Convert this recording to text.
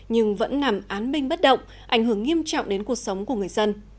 nhưng vẫn nằm án minh bất động ảnh hưởng nghiêm trọng đến cuộc sống của người dân